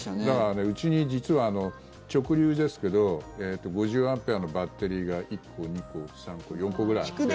うちに実は直流ですけど５０アンペアのバッテリーが１個、２個、３個、４個ぐらいあって。